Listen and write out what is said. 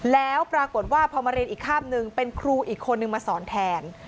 แล้วปรากฏว่าพอมาเรียนอีกข้ามหนึ่งเป็นครูอีกคนนึงมาสอนแทน